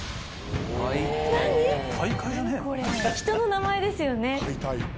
人の名前ですよね。